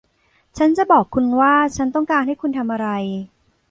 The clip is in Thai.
ฉันจะบอกคุณว่าฉันต้องการให้คุณทำอะไร